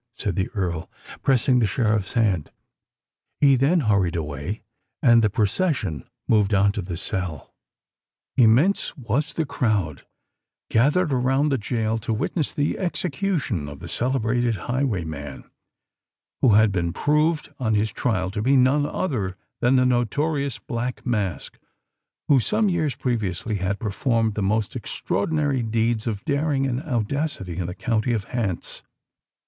said the Earl, pressing the Sheriff's hand. He then hurried away; and the procession moved on to the cell. Immense was the crowd gathered around the gaol to witness the execution of the celebrated highwayman who had been proved on his trial to be none other than the notorious Black Mask who some years previously had performed the most extraordinary deeds of daring and audacity in the county of Hants.